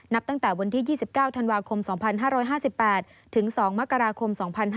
ตั้งแต่วันที่๒๙ธันวาคม๒๕๕๘ถึง๒มกราคม๒๕๕๙